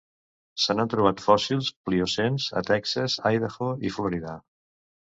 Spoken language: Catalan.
Se n'han trobat fòssils pliocens a Texas, Idaho i Florida.